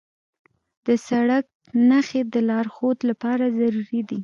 د سړک نښې د لارښود لپاره ضروري دي.